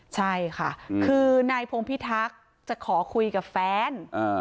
ใช่ค่ะคือนายพงพิทักษ์จะขอคุยกับแฟน